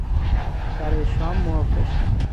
برای شام مرغ داشتیم.